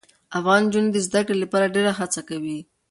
افغان نجونې د زده کړې لپاره ډېره هڅه کوي.